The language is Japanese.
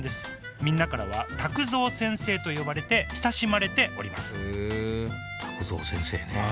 みんなからはタクゾー先生と呼ばれて親しまれておりますへえタクゾー